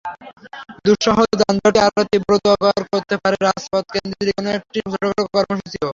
দুঃসহ যানজটকে আরও তীব্রতর করতে পারে রাজপথকেন্দ্রিক কোনো একটি ছোটখাটো কর্মসূচিও।